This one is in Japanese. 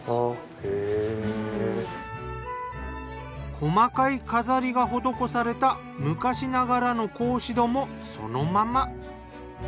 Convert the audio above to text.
細かい飾りが施された昔ながらの格子戸もそのまま。